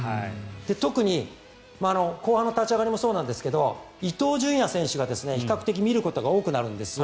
特に後半立ち上がりもそうなんですけど伊東純也選手が比較的、見ることが多くなるんですよ